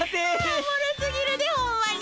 おもろすぎるでホンマに。